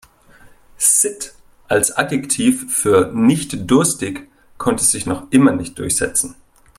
Sitt als Adjektiv für nicht-durstig konnte sich noch immer nicht durchsetzen.